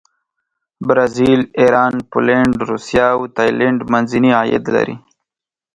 برازیل، ایران، پولینډ، روسیه او تایلنډ منځني عاید لري.